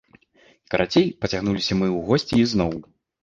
Карацей, пацягнуліся мы у госці ізноў.